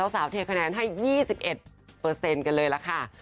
สาวเทคะแนนให้๒๑เปอร์เซ็นต์กันเลยล่ะค่ะ